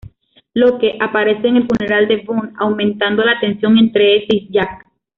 Locke aparece en el funeral de Boone, aumentando la tensión entre ese y Jack.